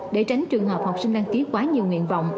để tránh trường hợp học sinh đăng ký quá nhiều nguyện vọng